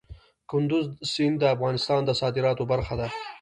کندز سیند د افغانستان د صادراتو برخه ده.